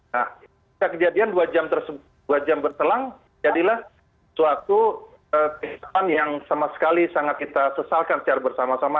nah kejadian dua jam berselang jadilah suatu kesempatan yang sama sekali sangat kita sesalkan secara bersama sama